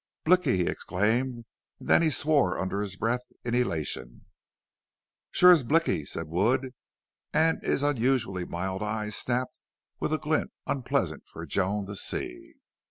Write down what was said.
"Blicky!" he exclaimed, and then he swore under his breath in elation. "Shore is Blicky!" said Wood, and his unusually mild eyes snapped with a glint unpleasant for Joan to see.